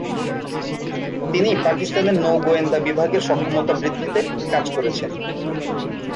তিনি পাকিস্তানের নৌ গোয়েন্দা বিভাগের সক্ষমতা বৃদ্ধিতে কাজ করেছেন।